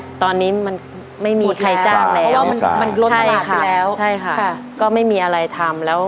ใช่ค่ะก็ไม่มีอะไรทำแล้ว